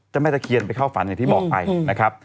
แม่ตะเคียนไปเข้าฝันอย่างที่บอกไปนะครับ